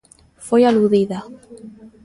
Foi aludida.